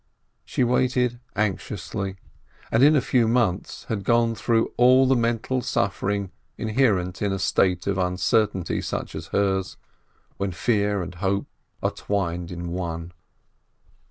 She waited anx iously, and in a few months had gone through all the mental suffering inherent in a state of uncertainty such as hers, when fear and hope are twined in one.